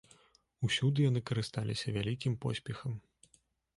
Усюды яны карысталіся вялікім поспехам.